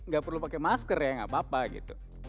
gak perlu pakai masker ya nggak apa apa gitu